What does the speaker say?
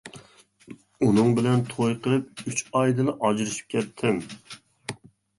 ئۇنىڭ بىلەن توي قىلىپ ئۈچ ئايدىلا ئاجرىشىپ كەتتىم.